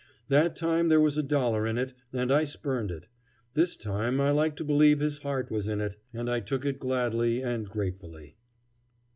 That time there was a dollar in it and I spurned it. This time I like to believe his heart was in it. And I took it gladly and gratefully.